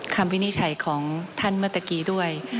คำวินิจฉัยของท่านเมื่อกันก่อนด้วย